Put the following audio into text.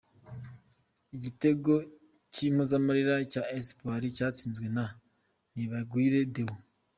Igitego cy’impozamarira cya Espoir cyatsinzwe na Nibagwire Deo.